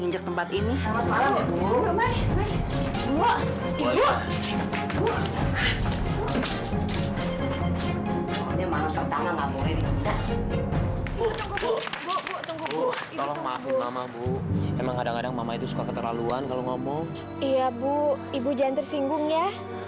iya bu ibu jangan tersinggung ya